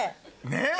ねっ。